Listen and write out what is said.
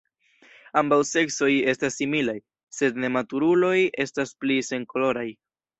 Ambaŭ seksoj estas similaj, sed nematuruloj estas pli senkoloraj.